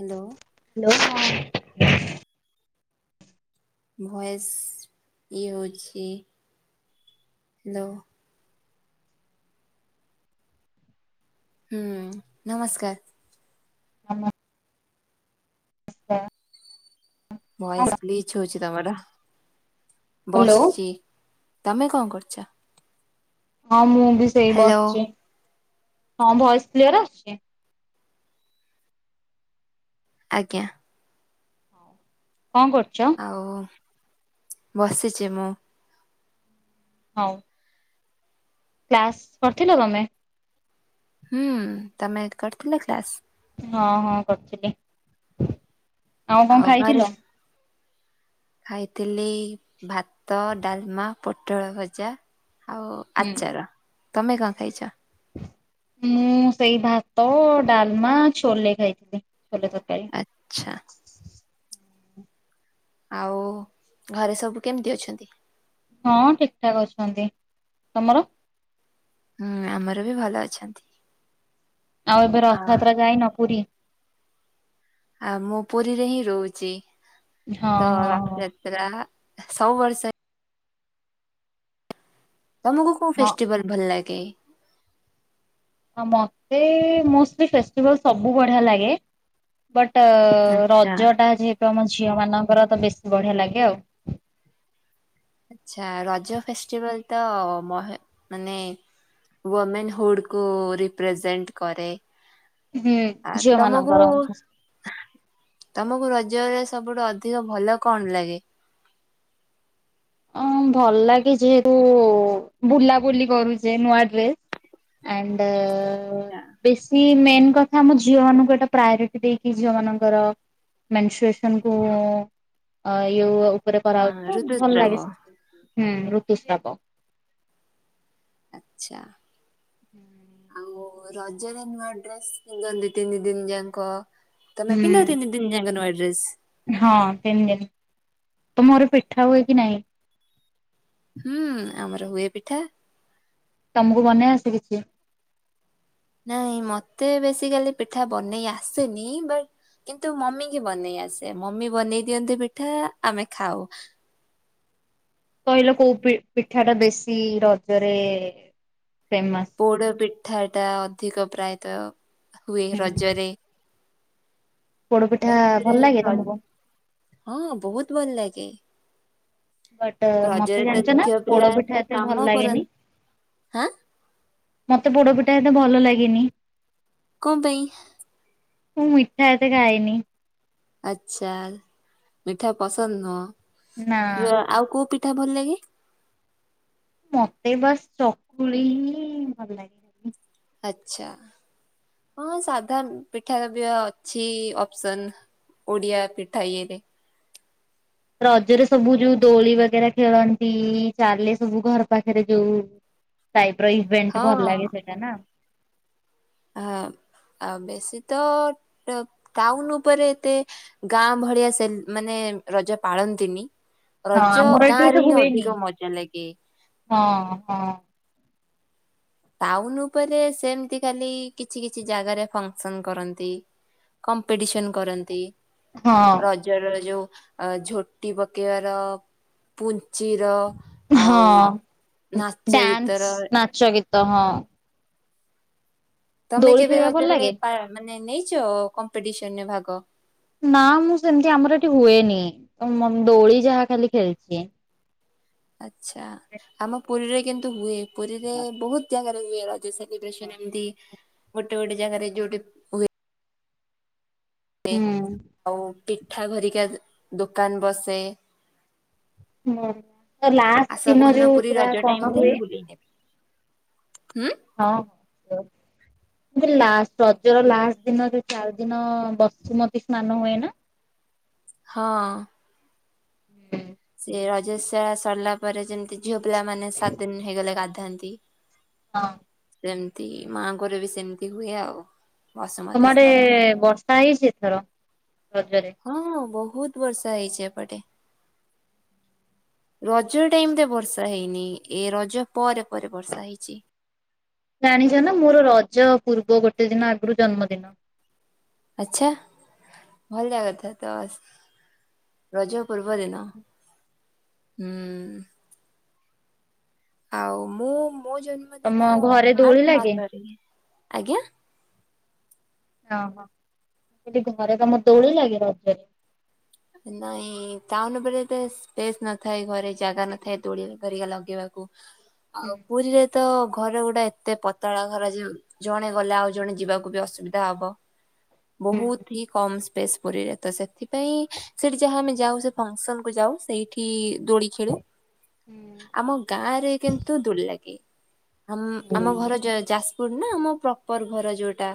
Hello hello ହଁ voice ଇଏ ହେଉଛି ହାଲୋ ହୁଁ ନମସ୍କାର। ନମ ହଁ। ଭଏସ୍ ପ୍ଳିଚ ହେଉଚି ତମର ହ୍ୟାଲୋ ବସଚି ତମେ କଣ କରୁଚ? ହଁ ମୁଁ ବି ସେଇ ହ୍ୟାଲୋ ବସଚି ହଁ ଭଏସ୍ କ୍ଲିୟର ଆସୁଚି। ଆଜ୍ଞା। କଣ କରୁଚ? ଆଉ ବସିଛି ମୁଁ। ହଉଁ କ୍ଲାସ କରିଥିଲ ତମେ? ହୁଁ ତମେ କରିଥିଲ କ୍ଲାସ? ହଁ ହଁ କରିଥିଲି। ଆଉ କଣ ଖାଇଥିଲ? ଖାଇଥିଲି ଭାତ, ଡାଲମା, ପୋଟଳ ଭଜା, ଆଉ ହୁଁ। ଆଚାର। ତମେ କଣ ଖାଇଚ? ମୁଁ ସେଇ ଭାତ, ଡାଲମା, ଛୋଲେ ଖାଇଥିଲି ଛୋଲେ ତରକାରି। ଆଚ୍ଛା। ଆଉ ଘରେ ସବୁ କେମତି ଅଛନ୍ତି? ହଁ ଠିକ ଠାକ୍ ଅଛନ୍ତି ତମର ହୁଁ ଆମର ବି ଭଲ ଅଛନ୍ତି। ଆଉ ଏବେ ଆ ରଥଯାତ୍ରା ଯାଇ ନ ପୁରୀ? ଆଉ ମୁଁ ପୁରୀରେ ହିଁ ରହୁଚି। ହଁ ତ ହଁ ରଥ ହଁ। ଯା ରା ସବୁ ବର୍ଷ ଏ ତମକୁ କୋଉ ହଁ ଫେଷ୍ଟିଭାଲ୍ ଭଲ ଲାଗେ? ହଁ ମତେ ମୋଷ୍ଟଲି ଫେଷ୍ଟିଭାଲ ସବୁ ବଢିଆ ଲାଗେ। ବଟ୍ ଅ ଅ ଆଚ୍ଛା। ରଜ ଟା ଯେହେତୁ ଆମ ଝିଅ ମାନଙ୍କର ତ ବେଶୀ ବଢିଆ ଲାଗେ ଆଉ। ଆଚ୍ଛା ରଜ ଫେଷ୍ଟିଭାଲ ତ ମହି ମାନେ ୱମେନ୍ ହୁଡ଼ କୁ ରିପ୍ରେଜେଣ୍ଟ କରେ। ହୁଁ। ଆ ଝିଅ ତମକୁୁ ମାନଙ୍କର। ତମକୁ ରଜରେ ସବୁଠୁ ଅଧିକ ଭଲ କଣ ଲାଗେ? ଅଁ ଭଲ ଲାଗେ ଯେହେତୁ ବୁଲାବୁଲି କରୁଚେ ନୂଆ ଡ୍ରେସ ଆଣ୍ଡ ଅ ଅ ବେଶି ମେନ୍ କ ଆମ ଝିଅମାନଙ୍କୁ ଏଟା ପ୍ରାୟୋରିଟି ଦେଇକି ଝିଅ ମାନଙ୍କର ମେନସୁରେସନ୍ କୁ ଅ ଏଇ ଉ ଉପରେ କରା ହଁ ହଉଛି ତ ଭଲ ଋତୁସ୍ରାବ ଲାଗେ ସେଥି ହୁଁ ଋତୁସ୍ରାବ। ଚ୍ଛା ହୁଁ ଉଁ ଆଉ ରଜରେ ନୂଆ ଡ୍ରେସ ପିନ୍ଧନ୍ତି ତିନି ଦିନି ଯାଙ୍କ। ତମେ ପିନ୍ଧ ହୁଁ ତିନ୍ ଦିନ୍? ତିନ୍ ଯାଙ୍କ ନୂଆ ଡ୍ରେସ୍ ହଁ ତିନ୍ ଦିନ୍ ତୁମ ଘରେ ପିଠା ହୁଏ କି ନାହିଁ? ହୁଁ ଆମର ହୁଏ ପିଠା। ତମକୁ ବନେଇ ଆସେ କିଛି? ନାଇଁ ମତେ ବେସିକାଲି ପିଠା ବନେଇ ଆସୁନି କିନ୍ତୁ ମମି କି ବନେଇ ଆସେ ମମି ବନେଇ ଦିଅନ୍ତି ପିଠା ଆମେ ଖାଉ କହିଲ କୋଉ ପିଠା ଟା ବେଶୀ ରଜରେ ଫେମସ ପୋଡ଼ ପିଠାଟା ଅଧିକ ପ୍ରାୟତଃ ହୁଏ ହୁଁ। ରଜରେ। ପୋଡ ପିଠା ଏମିତିରେ ଭଲ ଲାଗେ ର ତମକୁ? ହଁ ବୋହୁତ ଭଲ ଲାଗେ। ବଟ ମତେ ରଜରେ ତ ଜାଣିଛ ନା ଝିଅ ପିଲା ପୋଡ ପିଠା ଏତେ ଭଲ କାମ ଲାଗେନି। କରନ୍ତି ହାଁ ମତେ ପୋଡପିଠା ଏତେ ଭଲ ଲାଗେନି। କଁ ପାଇଁ? ମୁଁ ମିଠା ଏତେ ଖାଏନି। ଆଛା ମିଠା ପସନ୍ଦ ନା ନୁହଁ। ଅ ଆଉ କୋଉ ପିଠା ଭଲ ଲାଗେ? ମତେ ବାସ୍ ଚକୁଳି ହିଁ ଭଲ ଲାଗେ। ଆଛା ହଁ ସାଘା ପିଠା ର ବି ଅଛି ଅପସନ୍। ଓଡିଆ ପିଠା ଇଏରେ। ରଜରେ ସବୁ ଯୋଉ ଦୋଳି ବଗେରା ଖେଳନ୍ତି ଚାଲେ ସବୁ ଘର ପାଖରେ ଯୋଉ। ସାଇପ୍ର ଇଭେଣ୍ଟ ଭଲ ହଁ ଲାଗେ ସେଇଟା ନା। ହ ଆ ବେଶୀ ତ କାଉନ ଉପରେ ଏତେ ଗାଁ ଭଳିଆ ସେ ମାନେ ରଜ ପାଳନ୍ତିନି। ହଁ ରଜ ଆମର ଗାଁ ଏଠି ଏତେ ରେ ହିଁ ହୁଏନି। ଅଧିକ ମଜା ଲାଗେ। ହଁ ହଁ ଟାଉନ ଉପରେ ସେମତି ଖାଲି କିଛି କିଛି ଜାଗାରେ ଫଙ୍କ୍ସନ କରନ୍ତି। କମ୍ପିଟିସନ କରନ୍ତି। ହଁ ଜରରେ ଯୋଉ ଅ ଝୋଟି ପକେଇବାର ପୁଞ୍ଚିର ଆଉ ହଁ। ନାଚ ଗୀତର ଚ ଗୀତ ହଁ। ତମେ ଦୋଳି କେବେ ଖେଳିବା ଭଲ ରଜରେ ଲାଗେ? ପା ମାନେ ନେଇଛ କମ୍ପିଟିସନରେ ଭାଗ? ନା ମୁଁ ସେମିତି ଆମର ଏଠି ହୁଏନି। ଉମଙ୍ଗ ମଦୋଳି ଯାହା ଖାଲି ଖେଳିଦିଏ। ଆଚ୍ଛା ଆମ ପୁରୀରେ କିନ୍ତୁ ହୁଏ। ପୁରୀରେ ବୋହୁତ ଜାଗାରେ ହୁଏ ରଜ ସେଲି ବ୍ରେସନ ଏମତି ଗୋଟେ ଗୋଟେ ଜାଗାରେ ଯୋଉଠି ଟେ ହୁଁ ଆଉ ପିଠା ଘରିକା ଦୋକାନ ବସେ। ହୁଁ ଆସ ଲାଷ୍ଟ ଦିନ କୋଉଦିନ ଯୋଉ ପୁରୀ ରଜ ସେରା ଟାଇମ କଣ ରେ ହୁଏ। ବୁଲେଇ ନେବି ହୁଁ? ହଁ ମୁଁ କହିଲି ଲାଷ୍ଟ ରଜର ଲାଷ୍ଟ ଦିନରେ ଚାରି ଦିନ ବସୁମତୀ ସ୍ନାନ ହୁଏ ନା? ହଁ। ହୁଁ ସେ ରଜସିଆ ସରିଲା ପରେ ଯେମିତି ଝିଅ ପିଲା ମାନେ ସାତ ଦିନ ହେଇଗଲେ ଗାଧାନ୍ତି। ହଁ ସେମିତି ମାଆଙ୍କରେ ବି ସେମିତି ହୁଏ ଆଉ। ବସୁମତୀ ତମ ଆଡେ ସ୍ନାନ। ବର୍ଷା ହେଇଛି ଏଥର ରଜରେ? ହଁ ବୋହୁତ ବର୍ଷା ହେଇଛି ଏପଟେ। ରଜ ଟାଇମ ଟା ବର୍ଷା ହେଇନି ଏ ରଜ ପରେ ପରେ ବର୍ଷା ହେଇଛି। ଜାଣିଛ ନା ମୋର ରଜ ପୂର୍ବ ଗୋଟେ ଦିନ ଆଗୁରୁ ଜନ୍ମଦିନ। ଆଚ୍ଛା। ଭଲ କଥା ତ ସ ରଜ ପୂର୍ବ ଦିନ ହୁଁ। ଆଉ ମୁଁ ମୋ ତମ ଜନ୍ମଦିନ ଘରେ ଦୋଳି ମାର୍ଚ୍ଚ ଲାଗେ? ମାସରେ। ମୁଁ କହିଲି ଘରେ ତମ ଦୋଳି ଲାଗେ ରାଜରେ? ନାଇଁ ଟାଉନ ଉପରେ ଏତେ ସ୍ପେସ୍ ନଥାଏ ଘରେ ଜାଗା ନଥାଏ ଦୋଳି ଏପରିକା ଲଗେଇବାକୁ। ହୁଁ ଆଉ ପୁରୀରେ ତ ଘର ଗୁଡ଼ା ଏତେ ପ ତଳା ଘର ଯୋଉ ଜଣେ ଗଲେ ଆଉ ଜଣେ ଯିବାକୁ ବି ଅସୁବିଧା ହବ। ବହୁତ ହି କମ୍ ସ୍ପେସ୍ ପୁରୀରେ ତ ସେଥିପାଇଁ ସେଇଠି ଯାହା ଆମେ ଯାଉ ସେ ଫଙ୍କସନ୍ କୁ ଯାଉ ସେଇଠି ଦୋଳି ଖେଳୁ। ହୁଁ ଆମ ଗାଁରେ କିନ୍ତୁ ଦୋଳି ଲାଗେ, ଆମ୍ ହୁଁ ଆମ ଘର ଜୟ ଯାସ୍ ପୁର ନା ଆମ ପ୍ରପର ଘର ଯୋଉଟା,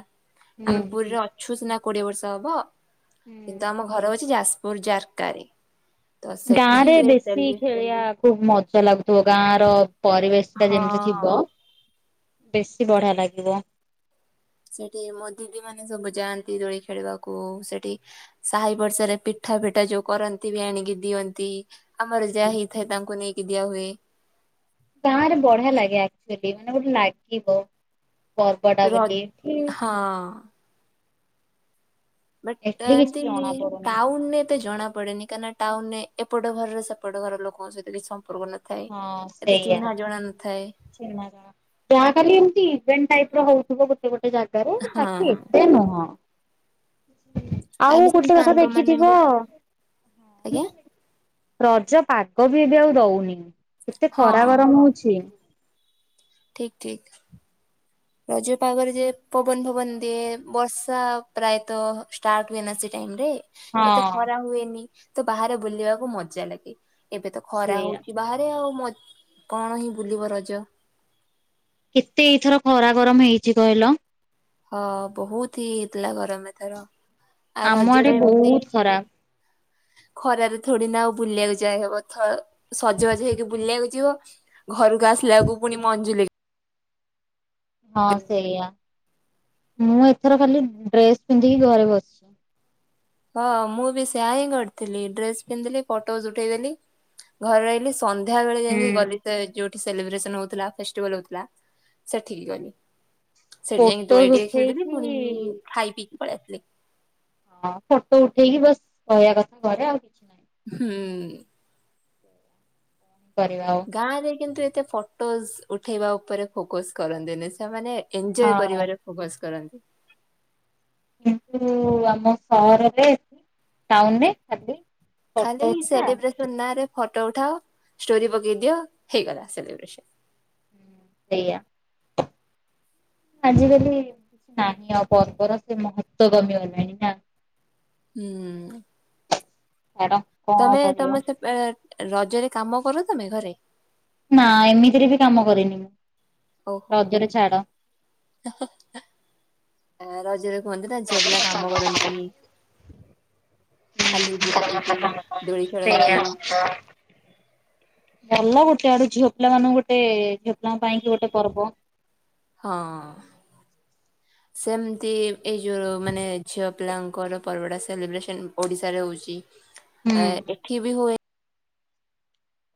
ହୁଁ। ଆମେ ପୁରୀରେ ଅଛୁ ସିନା କୋଡିଏ ବର୍ଷ ହବ। କିନ୍ତୁ ଆମ ଘର ହଉଛି ଯାସ୍ପୁର ଜାରକାରେ। ତ ସେଠି ଗାଁରେ ହୁଏ ବେଶୀ ସେଲି ଖେଳିବା ଖୁବ୍ ମଜା ଲାଗୁଥୁବ ଗାଁର ପରିବେଶଟା ଯେମିତି ହଁ। ଥିବ, ବେଶୀ ବଢିଆ ଲାଗିବ। ସେଠି ମୋ ଦିଦି ମାନେ ସବୁ ଯାଆନ୍ତି ଦୋଳି ଖେଳିବାକୁ ସେଠି। ସାହି ପଡ଼ିସାରେ ପିଠା ଫିଠା ଯୋଉ କରନ୍ତି ବି ଆଣିକି ଦିଅନ୍ତି। ଆମର ଯାହା ହେଇଥାଏ ତାଙ୍କୁ ନେଇକି ଦିଆ ହୁଏ। ଗାଁରେ ବଢିଆ ଲାଗେ ଆକ୍ଚ୍ୟୁଲି ମାନେ ଗୋଟେ ଲାଗିବ ପର୍ବଟା ର ବୋଲି। ହଁ ବଟ୍ ଏଠି କିଛି ଏନ୍ତି ଜଣା ପଡୁନି ଟାଉନନେ ଏତେ ଜଣାପଡ଼େନି। କାହିଁନା ଟାଉନରେ ଏପଟ ଘରର ସେପଟ ଘର ଲୋକଙ୍କ ସହିତ କିଛି ସମ୍ପର୍କ ନ ଥାଏ, ହଁ ଏତେ ସେଇଆ ଚିହ୍ନା ଜଣା ନଥାଏ। ଯାହା ଖାଲି ଏମିତି ଇଭେଣ୍ଟ ଟାଇପର ହଉଥିବ ଗୋ ଟେ ଗୋଟେ ଜାଗାରେ ବାକି ହଁ ଏତେ ନୁହଁ। ଆଉ ଆମେ ସେମିତି ଗୋଟେ କଥା ସାଙ୍ଗମାନେ ଦେଖିଥିବ ଆଜ୍ଞା ରଜ ପାଗବି ଏବେ ଆଉ ଦଉନି, କେତେ ହଁ ଖରା ଗରମ ହଉଛି। ଠିକ୍ ଠିକ୍। ରଜ ପାଗରେ ଯେ ପବନ ଫବନ ଦିଏ ବର୍ଷା ପ୍ରାୟତଃ ଷ୍ଟାର୍ଟ ହୁଏ ନା ସେ ଟାଇମରେ। ଏତେ ହଁ। ଖରା ହୁଏନି ତ ବାହାରେ ବୁଲିବାକୁ ମଜା ଲାଗେ, ଏବେ ତ ଖରା ସେଇଆ ହଉଚି। ବାହାରେ ଆଉ ମଜ୍ କଣ ହିଁ ବୁଲିବ ରଜ? କେତେ ଏଇଥର ଖରା ଗରମ ହେଇଛି କହିଲ? ଅ ବହୁତ ହି ହେଇଥିଲା ଗରମ ଏଥର। ଆଉ ଆମ ରଜରେ ଆଡେ ଏମିତି ବହୁତ ଖରା। ଖରାରେ ଥୋଡ଼ିନା ଆଉ ବୁଲିବାକୁ ଯାଏହବ ଥ ସଜ ବାଜ ହେଇକି ବୁଲିବାକୁ ଯିବ, ଘରକୁ ଆସିଲାକୁ ପୁଣି ମନ୍ ଜୁଲେଇ। ହଁ ସେଇଆ, ମୁଁ ଏଥର ଖାଲି ଡ୍ରେସ୍ ପିନ୍ଧିକି ଘରେ ବସିଛି। ହଁ ମୁଁ ବି ସେୟା ହିଁ କରିଥିଲି, ଡ୍ରେସ୍ ପିନ୍ଧିଲି ଫଟୋଜ୍ ଉଠେଇ ଦେଲି ଘରେ ରହିଲି। ସନ୍ଧ୍ୟାବେଳେ ହୁଁ। ଯାଇଁକି ଗଲି ସେ ଯୋଉଠି ସେଲିବ୍ରେସନ ହଉଥିଲା ଫେଷ୍ଟିଭାଲ୍ ହଉଥିଲା ସେଠିକି ଗଲି। ସେଠି ଯାଇଁକି ଫୋଟୋ ଦୋଳି ଟିକେ ଖେଳିଦେଲି ଉଠେଇକି ପୁଣି ହଁ ଖାଇପିଇକ୍ ପଳେଇ ଆସିଲି। ହଁ ଫଟୋ ଉଠେଇକି ବାସ୍ ରହିବା କଥା ଘରେ ଆଉ। ନାହିଁ ହୁଁ କଣ କରିବା ଆଉ। ଗାଁରେ କିନ୍ତୁ ଏତେ ଫଟୋଜ୍ ଉଠେଇବା ଉପରେ ଫୋକସ୍ କରନ୍ତିନି ସେମାନେ ଏଞ୍ଜୟେ ହଁ। କରିବାରେ ଫୋକସ୍ କରନ୍ତି। କିନ୍ତୁ ଆମ ସହରରେ ଟାଉନରେ ଖାଲି ଖାଲି ଫଟୋ ଉଠା ସେଲିବ୍ରେସନ ନାଁରେ ଫଟୋ ଉଠାଅ, ଷ୍ଟୋରି ପକେଇ ଦିଅ ହେଇଗଲା ସେଲିବ୍ରେସନ। ସେଇଆ। ଆଜିକାଲି କିଛି ନାହିଁ ଆଉ ପର୍ବର ସେ ମହତ୍ଵ କମିଗଲାଣି ନା? ହୁଁ ମ୍ୟାଡ଼ାମ। ତମେ ତମେ ସେ ରଜରେ କାମ କର ତମେ ଘରେ? ନା ଏମିତିରେ ବି କାମ କରେନି ମୁଁ। ଓହୋ ରଜରେ ଛାଡ। ରଜରେ କୁହନ୍ତି ନା ଝିଅ ପିଲା କାମ କରନ୍ତିନି। ଖାଲି ବୁଲନ୍ତି, ଦୋଳି ସେଇଆ ଖେଳନ୍ତି। ଭଲ ଗୋଟେ ଆଡେ ଝିଅ ପିଲା ମାନଙ୍କୁ ଗୋଟେ ଝିଅ ପିଲାଙ୍କ ପାଇଁ କି ଗୋଟେ ପର୍ବ। ହଁ ସେମତି ଏଇ ଯୋଉ ମାନେ ଝିଅ ପିଲାଙ୍କର ପର୍ବଟା ସେଲିବ୍ରେସନ ଓଡିଶାରେ ହଉଛି, ହୁଁ ଏଠି ବି ହୁଏ।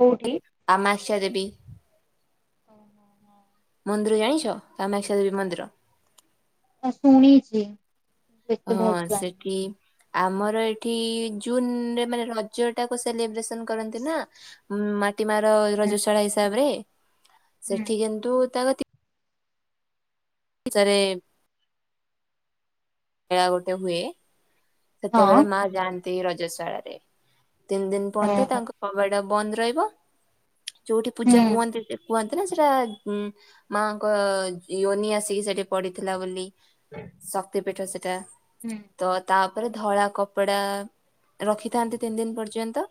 କୋଉଠି? କାମାକ୍ଷାଦେବୀ। ଓ ହୋ ହୋ। ମନ୍ଦିର ଜାଣିଛ କାମାକ୍ଷା ଦେବୀ ମନ୍ଦିର? ଶୁଣିଛି। କିନ୍ତୁ ଏତେ ହଁ ଭଲସେ ଜାଣିନି। ସେଠି। ଆମର ଏଠି ଜୁନରେ ମାନେ ରଜଟାକୁ ସେଲିବ୍ରେସନ କରନ୍ତି ନା। ମାଟି ମାର ହୁଁ ରଜଶାଳା ହିସାବରେ ସେଠି କିନ୍ତୁ ତା ସରେ ମେଳା ଗୋଟେ ହୁଏ। ସେତେବେଳେ ହଁ ମା ଯାଆନ୍ତି ରଜଶାଳାରେ ତିନି ଦିନ ପର୍ଯ୍ୟନ୍ତ ଓହୋ ତାଙ୍କ କବାଟ ବନ୍ଦ ରହିବ। ଯୋଉଠି ହୁଁ ପୂଜା ହୁଅନ୍ତି କୁହନ୍ତି ନା ସେଟା ମାଙ୍କ ୟୋନି ଆସିକି ସେଠି ପଡିଥିଲା ବୋଲି। ଶକ୍ତି ପୀଠ ସେଟା ହୁଁ ତ ତା ତାପରେ ଧଳା କପଡା ରଖିଥାନ୍ତି ତିନି ଦିନ ପର୍ଯ୍ୟନ୍ତ।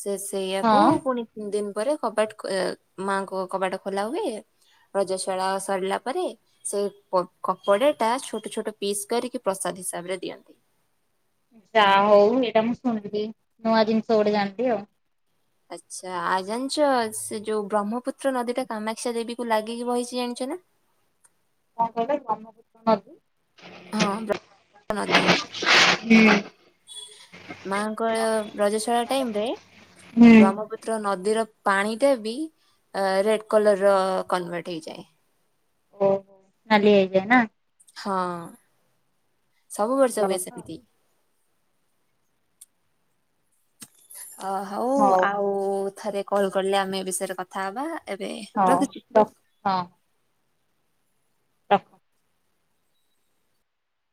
ସେ ସେଇଆକୁ ହଁ। ପୁଣି ତିନି ଦିନ ପରେ କବାଟ ମାଙ୍କ କବାଟ ଖୋଲା ହୁଏ। ରଜଶାଳା ସରିଲା ପରେ। ସେ କପଡାଟା ଛୋଟ ଛୋଟ ପିସ୍ କରିକି ପ୍ରସାଦ ହିସାବରେ ଦିଅନ୍ତି। ଯାହା ହଉ ଏଇଟା ମୁଁ ଶୁଣିଲି ନୂଆ ଜିନିଷ ଗୋଟେ ଜାଣିଲି ଆଉ। ଆଚ୍ଛା ଆ ଜାଣିଛ ସେ ଯୋଉ ବ୍ରହ୍ମପୁତ୍ର ନଦୀଟା କାମାକ୍ଷା ଦେବୀକୁୁ ଲାଗିକି ବହିଛି ଜାଣିଛ ନା। କଣ [inaudible] ହଁ ବ୍ରହ୍ମପୁତ୍ର ନଦୀ। ହୁଁ। ମାଙ୍କ ରଜଶାଳା ଟାଇମରେ ହୁଁ। ବ୍ରହ୍ମପୁତ୍ର ନଦୀର ପାଣିଟା ବି ରେଡ କଲରର କନଭର୍ଟ ହେଇଯାଏ। ଓହୋ ନାଲି ହେଇଯାଏ ନା। ହଁ ସବୁ ବର୍ଷ ଭଲ ହୁଏ କଥା ସେମିତି। ଅ ହଉ ଆଉ ଥରେ କଲ କଲେ ଆମେ ଏ ବିଷୟରେ କଥା ହେବା। ହଁ ରଖୁଛି ହଁ। [inaudible]